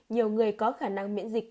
nhiều người có khả năng miễn dịch